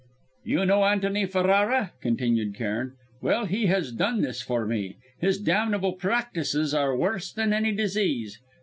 "You know Antony Ferrara?" continued Cairn. "Well, he has done this for me. His damnable practices are worse than any disease.